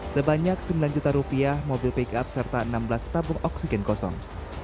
sebanyak sembilan juta rupiah mobil pick up serta enam belas tabung oksigen kosong